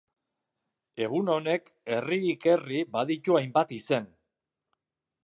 Egun honek herririk herri baditu hainbat izen.